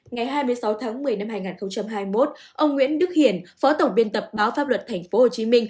ngày hai mươi sáu tháng một mươi năm hai nghìn hai mươi một ông nguyễn đức hiển phó tổng biên tập báo pháp luật tp hcm